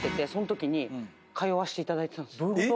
どういうこと？